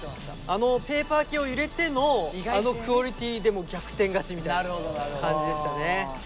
あのペーパー系を入れてのあのクオリティーでもう逆転勝ちみたいな感じでしたね。